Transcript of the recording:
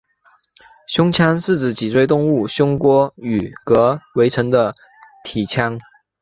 胸腔是指脊椎动物胸廓与膈围成的体腔。